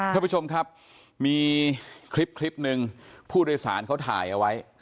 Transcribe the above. ท่านผู้ชมครับมีคลิปหนึ่งผู้โดยสารเขาถ่ายเอาไว้